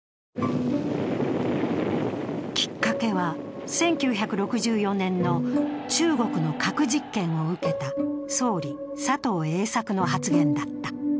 きっかけは、１９６４年の中国の核実験を受けた総理・佐藤栄作の発言だった。